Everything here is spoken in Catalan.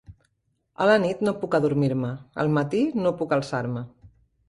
A la nit, no puc adormir-me. Al matí, no puc alçar-me.